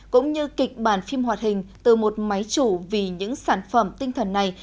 cũng như kịch bản phim hoạt hình từ một máy chủ vì những sản phẩm tinh thần này